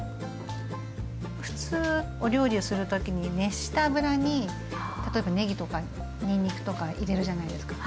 普通お料理をする時に熱した油に例えばねぎとかにんにくとか入れるじゃないですか。